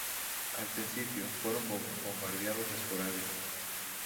Al principio fueron bombardeos esporádicos.